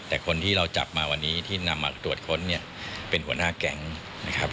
แต่คนที่เราจับมาวันนี้ที่นำมาตรวจค้นเนี่ยเป็นหัวหน้าแก๊งนะครับ